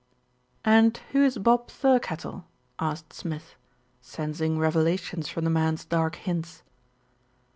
"And who is Bob Thirkettle?" asked Smith, sensing revelations from the man's dark hints.